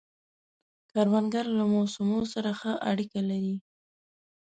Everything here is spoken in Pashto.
کروندګر له موسمو سره ښه اړیکه لري